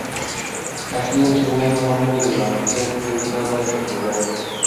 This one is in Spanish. Así el segundo nombre de la mujer fue usado en su lugar.